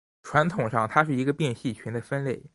传统上它是一个并系群的分类。